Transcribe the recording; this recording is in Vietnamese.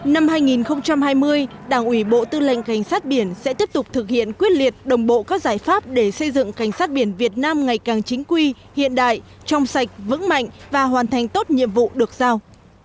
năm hai nghìn hai mươi đảng ủy bộ tư lệnh cảnh sát biển sẽ tiếp tục thực hiện quyết liệt đồng bộ các giải pháp để xây dựng cảnh sát biển việt nam ngày càng chính quy hiện đại trong sạch vững mạnh và hoàn thành tốt nhiệm vụ được giao